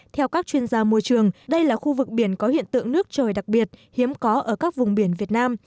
theo các chuyên gia môi trường đây là khu vực biển có hiện tượng nước trời đặc biệt hiếm có ở các vùng biển việt nam